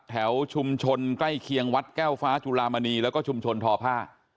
แถวชุมชนใกล้เคียงวัดแก้วฟ้าจุลามณีแล้วก็ชุมชนทอผ้า